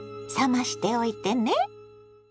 冷ましておいてね。